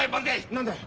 何だい？